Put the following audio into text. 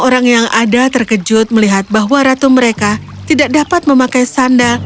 orang orang di bawah sandal itu melihat bahwa ratu mereka tidak dapat memakai sandal